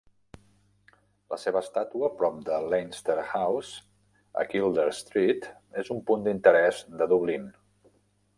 La seva estàtua prop de Leinster House, a Kildare Street, és un punt d'interès de Dublín.